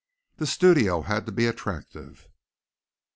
The studio had to be attractive.